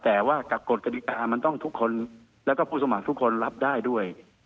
แต่ว่ากับกฎกฎิกามันต้องทุกคนแล้วก็ผู้สมัครทุกคนรับได้ด้วย